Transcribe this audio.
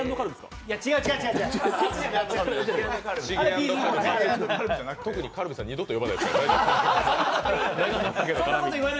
違う違う、特にカルビさん二度と呼ばないです。